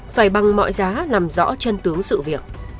phải bằng mọi giá làm rõ chân tướng sự việc